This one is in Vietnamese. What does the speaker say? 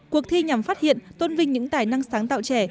cuộc thi nhằm phát hiện tôn vinh những tài năng sáng tạo trẻ